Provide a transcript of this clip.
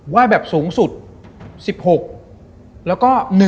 แบบสูงสุด๑๖แล้วก็๑